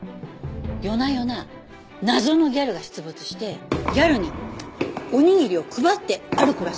夜な夜な謎のギャルが出没してギャルにおにぎりを配って歩くらしいんですね。